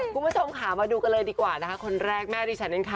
คุณผู้ชมค่ะมาดูกันเลยดีกว่านะคะคนแรกแม่ดิฉันเองค่ะ